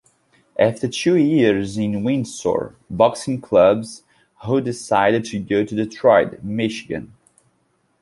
After two years in Windsor boxing clubs, Ro decided to go to Detroit, Michigan.